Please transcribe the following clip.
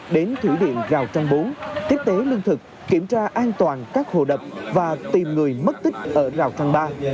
đến thủy điện giao trang bốn tiếp tế lương thực kiểm tra an toàn các hồ đập và tìm người mất tích ở giao trang ba